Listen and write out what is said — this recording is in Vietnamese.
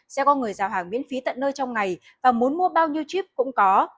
sẽ có người giao hàng miễn phí tận nơi trong ngày và muốn mua bao nhiêu chip cũng có